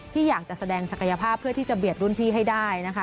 ที่อยากจะแสดงศักยภาพเพื่อที่จะเบียดรุ่นพี่ให้ได้นะคะ